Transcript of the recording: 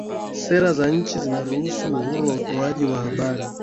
sera za nchi zinaruhusu uhuru wa utoaji wa habari